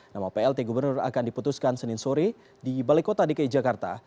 nama plt gubernur akan diputuskan senin sore di balai kota dki jakarta